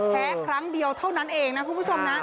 ครั้งเดียวเท่านั้นเองนะคุณผู้ชมนะ